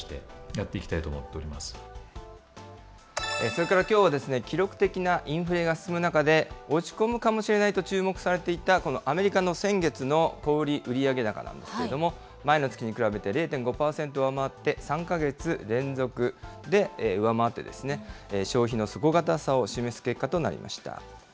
それからきょうはですね、記録的なインフレが進む中で、落ち込むかもしれないと注目されていたアメリカの先月の小売り売上高なんですけれども、前の月に比べて０．５％上回って、３か月連続で上回って、消費の底堅さを示す結果となりました。